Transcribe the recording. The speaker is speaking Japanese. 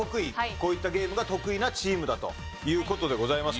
こういったゲームが得意なチームだという事でございますか。